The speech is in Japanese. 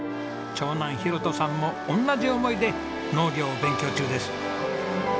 長男裕登さんも同じ思いで農業を勉強中です。